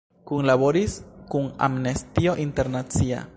Kunlaboris kun Amnestio Internacia.